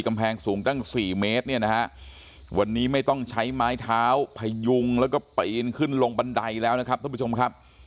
กำแพงสูงตั้งสี่เมตรเนี่ยนะฮะวันนี้ไม่ต้องใช้ไม้เท้าพยุงแล้วก็ปีนขึ้นลงบันไดแล้วนะครับท่านผู้ชมครับ